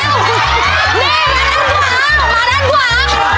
เร็วเร็วเร็วเร็วเร็วต่อ